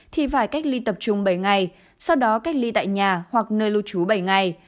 thì phải cách ly tập trung bảy ngày sau đó cách ly tại nhà hoặc nơi lưu trú bảy ngày